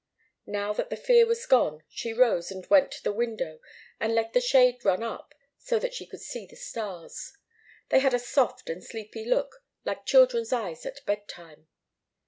Now that the fear was gone, she rose and went to the window and let the shade run up so that she could see the stars. They had a soft and sleepy look, like children's eyes at bed time.